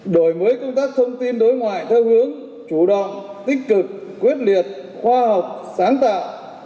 đổi mới công tác thông tin đối ngoại theo hướng chủ động tích cực quyết liệt khoa học sáng tạo